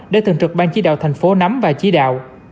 để thường trực bang chí đạo tp hcm nắm và chí đạo